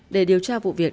để điều tra vụ việc